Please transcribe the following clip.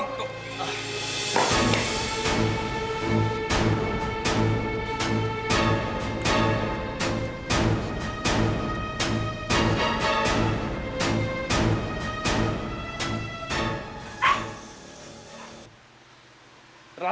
lihat dia hitam